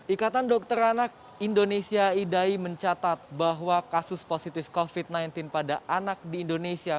ikatan dokter anak indonesia idai mencatat bahwa kasus positif covid sembilan belas pada anak di indonesia